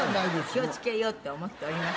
気を付けようって思っておりますよ。